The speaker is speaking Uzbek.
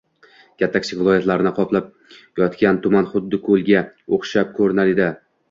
Katta-kichik vodiylarni qoplab yotgan tuman xuddi koʻlga oʻxshab koʻrinar edi